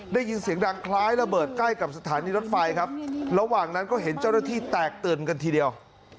ได้ยินเสียงดังคล้ายระเบิดใกล้กับสถานีรถไฟครับระหว่างนั้นก็เห็นเจ้าหน้าที่แตกตื่นกันทีเดียว